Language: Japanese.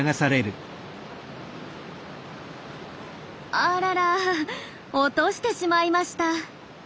あらら落としてしまいました。